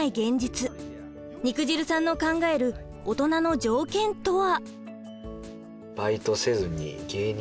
肉汁さんの考えるオトナの条件とは？